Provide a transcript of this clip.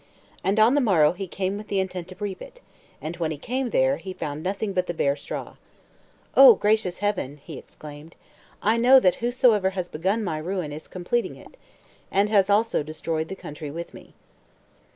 And on the morrow he came with the intent to reap it; and when he came there, he found nothing but the bare straw. "O gracious Heaven!" he exclaimed. "I know that whosoever has begun my ruin is completing it, and has also destroyed the country with me."